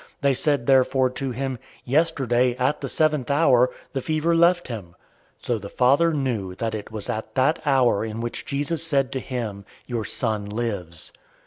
They said therefore to him, "Yesterday at the seventh hour,{1:00 P. M.} the fever left him." 004:053 So the father knew that it was at that hour in which Jesus said to him, "Your son lives."